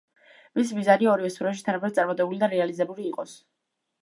მისი მიზანია, ორივე სფეროში თანაბრად წარმატებული და რეალიზებული იყოს.